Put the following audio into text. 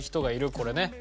これね。